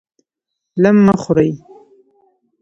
لم مه خورئ!